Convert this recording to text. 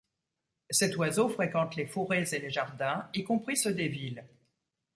Cet oiseau fréquente les fourrés et les jardins, y compris ceux des villes.